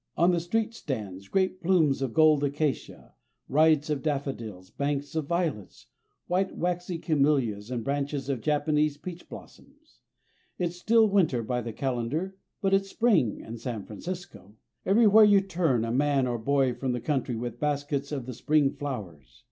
On the street stands great plumes of gold acacia, riots of daffodils, banks of violets, white, waxy camellias and branches of Japanese peach blossoms. It's still winter by the calendar but it's spring in San Francisco. Everywhere you turn a man or boy from the country with baskets of the spring flowers.